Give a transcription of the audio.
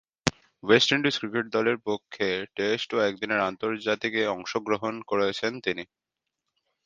West Indies cricket দলের পক্ষে test ও একদিনের আন্তর্জাতিকে অংশগ্রহণ করেছেন তিনি।